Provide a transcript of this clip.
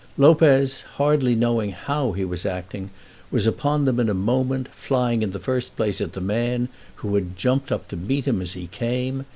Lopez, hardly knowing how he was acting, was upon them in a moment, flying in the first place at the man, who had jumped up to meet him as he came.